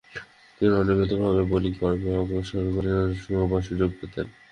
তিনি অনিয়মিতভাবে বোলিং কর্মে অগ্রসর হবার সুযোগ পেতেন।